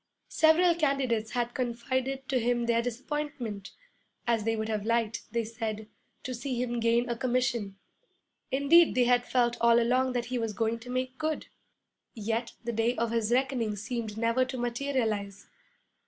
Several candidates had confided to him their disappointment, as they would have liked, they said, to see him gain a commission. Indeed they had felt all along that he was going to make good. Yet the day of his reckoning seemed never to materialize.